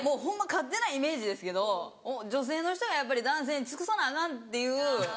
勝手なイメージですけど女性の人がやっぱり男性に尽くさなアカンっていう。